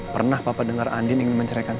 pernah papa dengar saya ingin mencerahkan andi